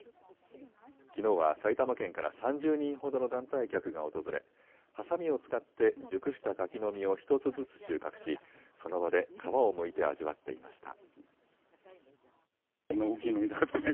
きのうは埼玉県から３０人ほどの団体客が訪れ、はさみを使って熟した柿の実を１つずつ収穫し、その場で皮をむいて味わっていました。